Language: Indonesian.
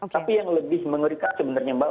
tapi yang lebih mengerikan sebenarnya mbak